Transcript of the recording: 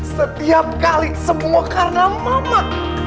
setiap kali semua karena mamat